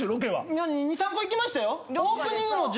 ２３個いきましたよ。